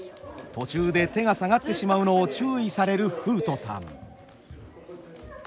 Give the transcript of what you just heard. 途中で手が下がってしまうのを注意される風曉さん。